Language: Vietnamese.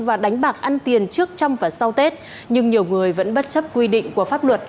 và đánh bạc ăn tiền trước trong và sau tết nhưng nhiều người vẫn bất chấp quy định của pháp luật